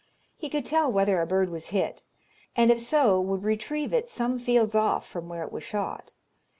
He could tell whether a bird was hit, and if so would retrieve it some fields off from where it was shot.